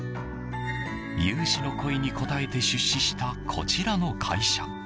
有志の声に応えて出資したこちらの会社。